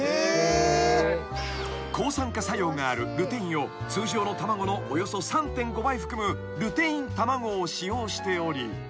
［抗酸化作用があるルテインを通常の卵のおよそ３．５倍含むルテイン卵を使用しており］